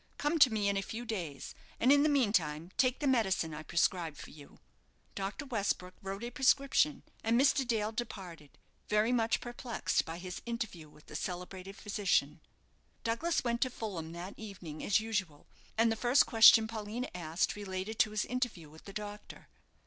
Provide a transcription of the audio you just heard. Come to me in a few days, and in the meantime take the medicine I prescribe for you." Dr. Westbrook wrote a prescription, and Mr. Dale departed, very much perplexed by his interview with the celebrated physician. Douglas went to Fulham that evening as usual, and the first question Paulina asked related to his interview with the doctor.